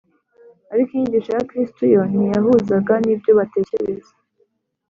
ariko inyigisho ya kristo yo ntiyahuzaga n’ibyo batekereza